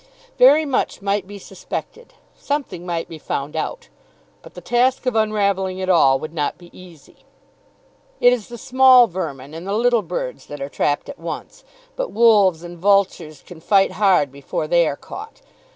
Very much might be suspected. Something might be found out. But the task of unravelling it all would not be easy. It is the small vermin and the little birds that are trapped at once. But wolves and vultures can fight hard before they are caught.